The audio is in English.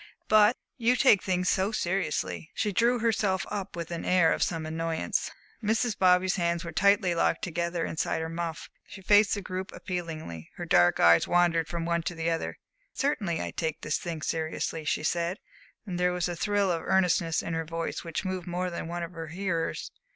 But you take things so seriously!" She drew herself up with an air of some annoyance. Mrs. Bobby's hands were tightly locked together inside her muff, she faced the group appealingly, her dark eyes wandering from one to the other. "Certainly, I take this thing seriously," she said, and there was a thrill of earnestness in her voice which moved more than one of her hearers.